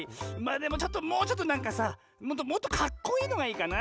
でももうちょっとなんかさもっとカッコいいのがいいかな。